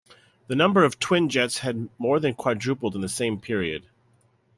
The number of twinjets had more than quadrupled in the same period.